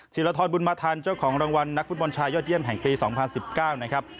ีรทรบุญมาทันเจ้าของรางวัลนักฟุตบอลชายยอดเยี่ยมแห่งปี๒๐๑๙นะครับ